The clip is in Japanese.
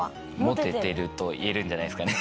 モテてると言えるんじゃないですかね？